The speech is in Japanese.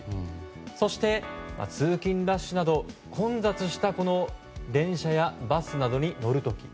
そして通勤ラッシュなど混雑した電車やバスなどに乗る時。